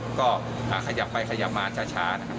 ก็ขยับไปขยับมาช้านะครับ